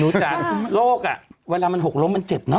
นุจาโลกอ่ะเวลามันหกล้มมันเจ็บเนอะ